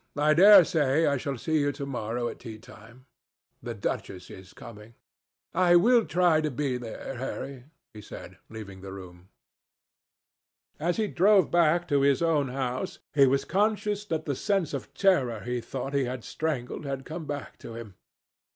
I dare say I shall see you to morrow at tea time. The duchess is coming." "I will try to be there, Harry," he said, leaving the room. As he drove back to his own house, he was conscious that the sense of terror he thought he had strangled had come back to him.